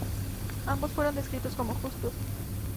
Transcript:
Ambos fueron descritos como "justos".